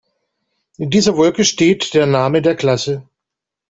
In dieser Wolke steht der Name der Klasse.